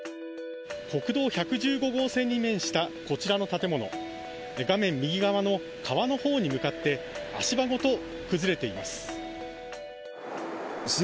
国道１１５号線に面したこちらの建物画面右側の川のほうに向かって足場ごと崩れています。